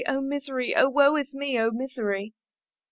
oh misery! "Oh woe is me! oh misery!"